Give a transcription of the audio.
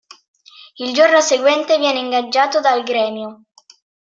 Il giorno seguente viene ingaggiato dal Grêmio.